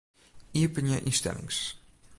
Iepenje ynstellings.